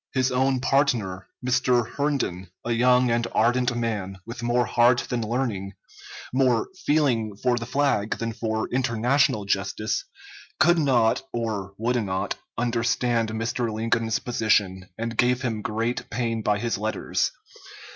His own partner, Mr. Herndon, a young and ardent man, with more heart than learning, more feeling for the flag than for international justice, could not, or would not, understand Mr. Lincoln's position, and gave him great pain by his letters.